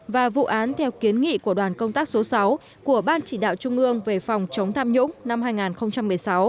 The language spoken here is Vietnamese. và vụ án theo kiến nghị của đoàn công tác số sáu của ban chỉ đạo trung ương về phòng chống tham nhũng năm hai nghìn một mươi sáu